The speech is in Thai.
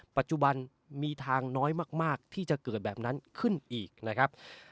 ปัจจุบันมีทางน้อยมากที่จะเกิดแบบนั้นขึ้นอีกนะครับ